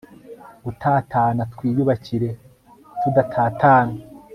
gutatana twiyubakire tudatatana